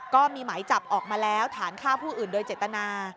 ก็มีหมายจับออกมาแล้วฐานฆ่าผู้อื่นโดยเจตนา